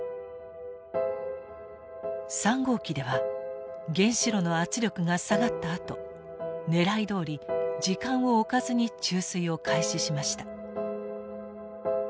３号機では原子炉の圧力が下がったあとねらいどおり時間を置かずに注水を開始しました。